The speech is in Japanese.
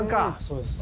そうです。